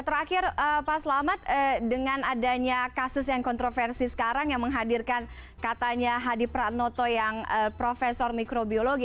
terakhir pak selamat dengan adanya kasus yang kontroversi sekarang yang menghadirkan katanya hadi pranoto yang profesor mikrobiologi